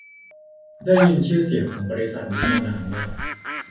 ได้ยินชื่อเสียงของบริษัทนี้มานานมาก